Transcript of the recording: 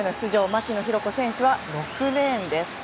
牧野紘子選手は６レーンです。